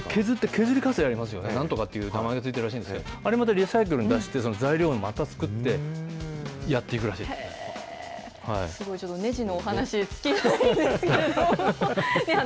削りカスありますよね、なんとかっていう名前付いてるらしいんですけど、あれ、またリサイクルに出して、材料をまた作ってやすごい、ねじのお話尽きないんですけれども。